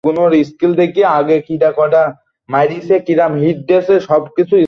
আলু, মসুর, লিক এবং অন্যান্য শাকসবজি উপাদান দিয়ে তৈরি করা হয়ে থাকে।